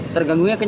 terganggu kenapa ini